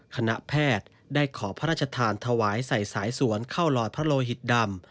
คณะแพทย์ได้ขอพระราชทานถวายใส่สายสวนเข้าลอยพระโลหิตดำ